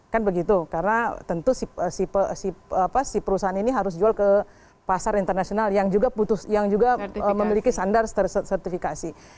kan begitu karena tentu si perusahaan ini harus jual ke pasar internasional yang juga memiliki standar sertifikasi